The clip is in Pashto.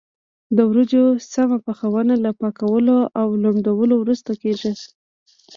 د وریجو سمه پخونه له پاکولو او لمدولو وروسته کېږي.